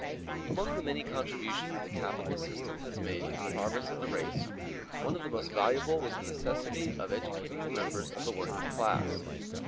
AMONG the many contributions the capitalist system has made to the progress of the race, one of the most valuable was the necessity of educating the members of the working class.